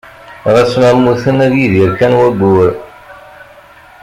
Ɣas ma mmuten, ad yidir kan wayyur.